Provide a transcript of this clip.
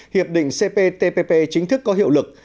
hiệp định cptpp chính thức có hiệu lực